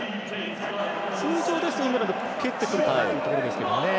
通常ですと、イングランド蹴ってくるかというところですが。